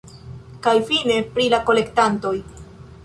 Kaj fine pri la kolektantoj.